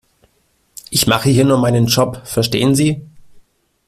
Ich mache hier nur meinen Job, verstehen Sie?